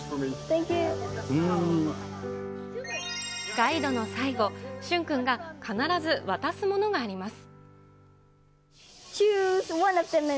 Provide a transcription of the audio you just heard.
ガイドの最後、駿君が必ず渡すものがあります。